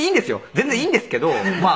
全然いいんですけどまあ